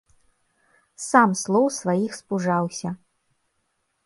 Сам слоў сваіх спужаўся.